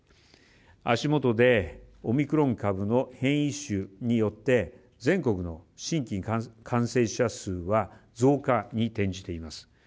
足元でオミクロン株の変異種によって全国の新規感染者数は増加に転じています。